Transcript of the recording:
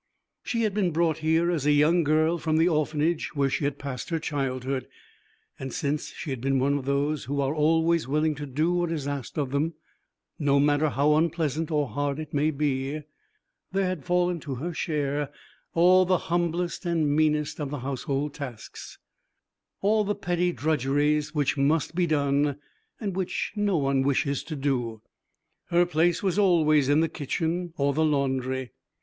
She had been brought here as a young girl from the orphanage where she had passed her childhood; and since she had been one of those who are always willing to do what is asked of them, no matter how unpleasant or hard it may be, there had fallen to her share all the humblest and meanest of the household tasks, all the petty drudgeries which must be done and which no one wishes to do. Her place was always in the kitchen or the laundry.